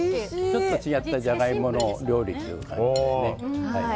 ちょっと違ったジャガイモの料理という感じでね。